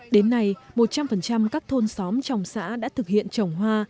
đến nay một trăm linh các thôn xóm trong xã đã thực hiện trồng hoa